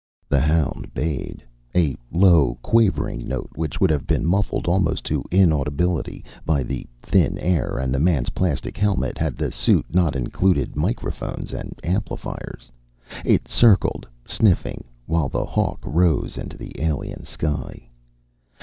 The hound bayed, a low quavering note which would have been muffled almost to inaudibility by the thin air and the man's plastic helmet had the suit not included microphones and amplifiers. It circled, sniffing, while the hawk rose into the alien sky.